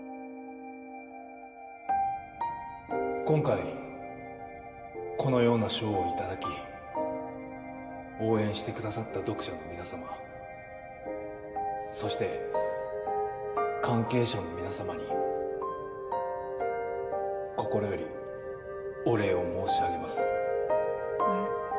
今回このような賞をいただき応援してくださった読者の皆様そして関係者の皆様に心よりお礼を申し上げます。